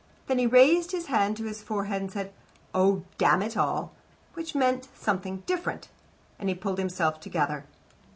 Then he raised his hand to his forehead and said, "Oh, damn it all " which meant something different. He pulled himself together.